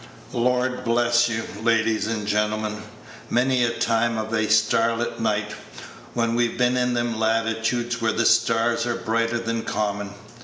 Lord bless you, ladies and gentlemen, many a time of a starlight night, when we've been in them latitudes where the stars are brighter than common.